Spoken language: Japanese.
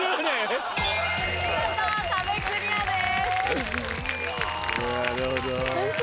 見事壁クリアです。